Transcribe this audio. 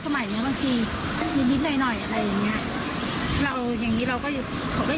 สมัยบางทีมีนิดหน่อยอะไรอย่างนี้